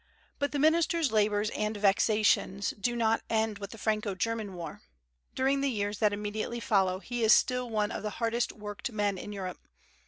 But the minister's labors and vexations do not end with the Franco German war During the years that immediately follow, he is still one of the hardest worked men in Europe.